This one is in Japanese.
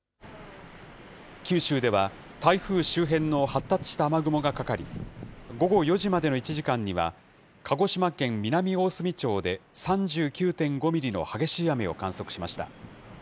九州では、台風周辺の発達した雨雲がかかり、午後４時までの１時間には、鹿児島県南大隅町で３９．５ミリの激しい雨を観測しました。